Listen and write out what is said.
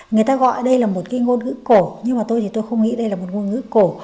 người ta gọi đây là một cái ngôn ngữ cổ nhưng mà tôi thì tôi không nghĩ đây là một ngôn ngữ cổ